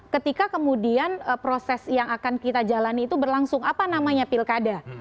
ketika kemudian proses yang akan kita jalani itu berlangsung apa namanya pilkada